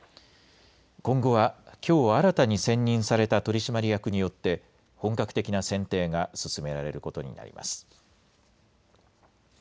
今後はきょう新たに選任された取締役によって本格的な選定が進められることになります。